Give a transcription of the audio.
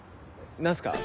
何すか？